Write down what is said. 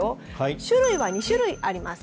種類は２種類あります。